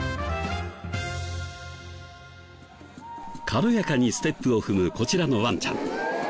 軽やかにステップを踏むこちらのワンちゃん。